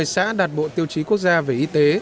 một mươi xã đạt bộ tiêu chí quốc gia về y tế